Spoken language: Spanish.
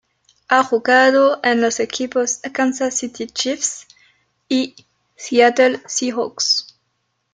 Ha jugado en los equipos Kansas City Chiefs y Seattle Seahawks.